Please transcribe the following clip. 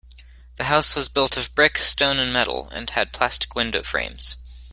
The house was built of brick, stone and metal, and had plastic window frames.